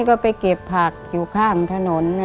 ก็ไปเก็บผักอยู่ข้างถนน